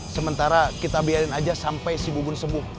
sementara kita biarin aja sampai si bubun sembuh